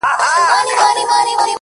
لکه رېل گاډې کرښې داسې منحني پروت يمه!